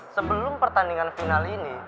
sebelum pertandingan final ini